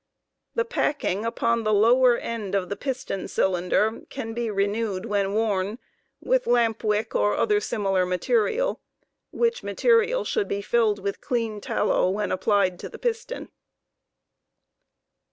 The packiug upon the lower end of the piston cylinder can be renewed when m * worn with lamp wick or other similar material, which material should be filled with clean tallow when applied to the piston.